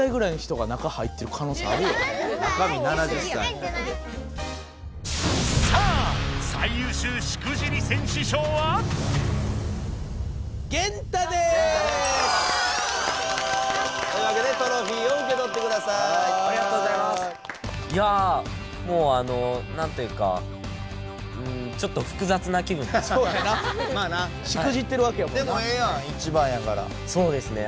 いやもうあのなんというかんちょっと複雑な気分です。